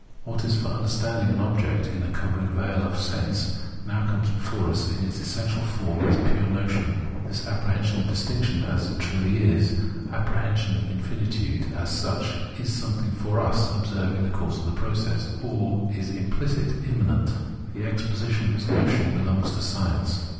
What is for understanding an object in a covering veil of sense, now comes before us in its essential form as a pure notion. This apprehension of distinction as it truly is, the apprehension of in finitude as such, is something for us [observing the course of the process], or is implicit, immanent. The exposition of its notion belongs to science.